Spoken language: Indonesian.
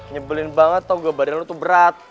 nyebelin banget tau gak badan lo tuh berat